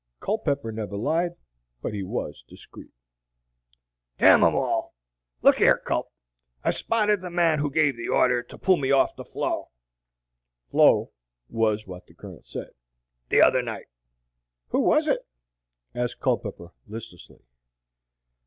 (Culpepper never lied, but he was discreet.) "D m 'em all! Look yar, Culp, I've spotted the man who gave the order to put me off the floor" ("flo" was what the Colonel said) "the other night!" "Who was it?" asked Culpepper, listlessly.